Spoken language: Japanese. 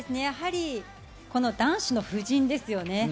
やはりこの男子の布陣ですよね。